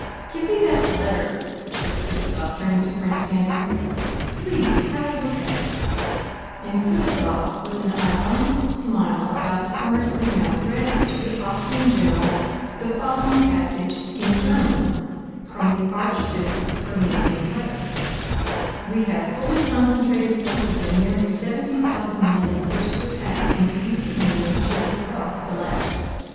"Give me that letter," said Kutúzov turning to Prince Andrew. "Please have a look at it"—and Kutúzov with an ironical smile about the corners of his mouth read to the Austrian general the following passage, in German, from the Archduke Ferdinand's letter: We have fully concentrated forces of nearly seventy thousand men with which to attack and defeat the enemy should he cross the Lech.